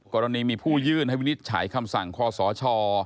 กรณีมีผู้ยื่นให้วินิจฉัยคำสั่งคอสช